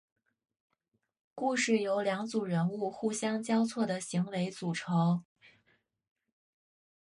故事由两组人物互相交错的行为组成。